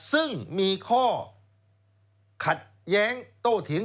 ซึ่งมีข้อขัดแย้งโตเถียง